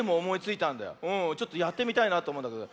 ちょっとやってみたいなとおもうんだけど。